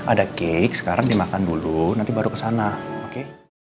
ada cake sekarang dimakan dulu nanti baru kesana oke